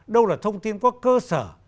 đâu là thông tin có cơ sở